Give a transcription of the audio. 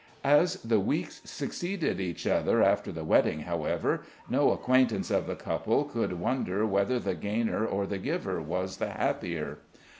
As the weeks succeeded each other after the wedding, however, no acquaintance of the couple could wonder whether the gainer or the giver was the happier.